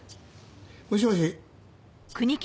もしもし？